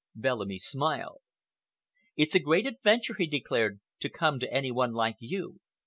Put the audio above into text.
Bellamy smiled. "It's a great adventure," he declared, "to come to any one like you.